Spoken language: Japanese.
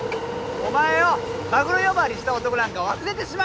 お前をマグロ呼ばわりした男なんか忘れてしまえ！